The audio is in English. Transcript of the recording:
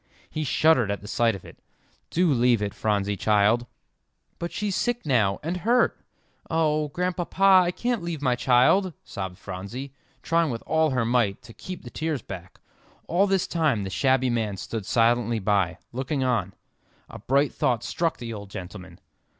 He shuddered at the sight of it. "Do leave it, Phronsie, child." "But she's sick now and hurt; oh, Grandpapa, I can't leave my child," sobbed Phronsie, trying with all her might to keep the tears back. All this time the shabby man stood silently by, looking on. A bright thought struck the old gentleman.